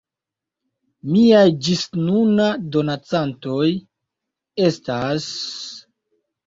Miaj ĝis nuna donacantoj estas:...